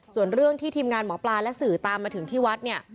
ส่วนเรื่องที่ทีมงานหมอปลาและสื่อตามมาถึงที่วัดเนี่ย